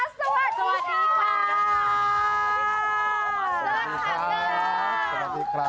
สวัสดีค่ะ